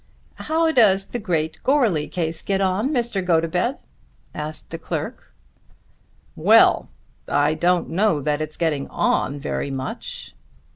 "How does the great Goarly case get on, Mr. Gotobed?" asked the clerk. "Well! I don't know that it's getting on very much."